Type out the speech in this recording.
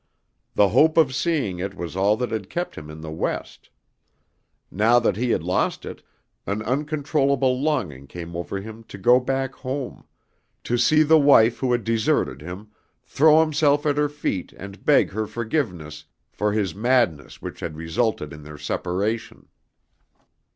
The hope of seeing it was all that had kept him in the West. Now that he had lost it, an uncontrollable longing came over him to go back home, to see the wife who had deserted him, throw himself at her feet and beg her forgiveness for his madness which had resulted in their separation.